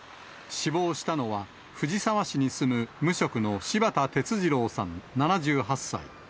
死亡したのは、藤沢市に住む無職の柴田哲二郎さん７８歳。